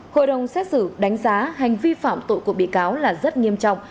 hội đồng xét xử đánh giá hành vi phạm tội của bị cáo là rất nghiêm trọng